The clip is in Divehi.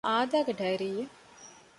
ހަމަ އާދައިގެ ޑައިރީއެއް